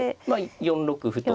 ４六歩と。